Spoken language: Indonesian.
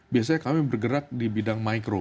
biasanya kami bergerak di bidang micro